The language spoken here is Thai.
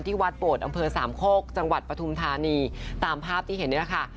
วัดโบดอำเภอสามโคกจังหวัดปฐุมธานีตามภาพที่เห็นนี่แหละค่ะ